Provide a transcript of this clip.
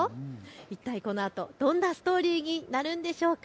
一体このあとどんなストーリーになるんでしょうか。